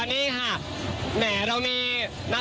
ที่สนชนะสงครามเปิดเพิ่ม